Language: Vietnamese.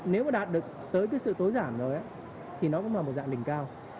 nếu mà đạt được tới cái sự tối giảm rồi thì nó cũng là một dạng đỉnh cao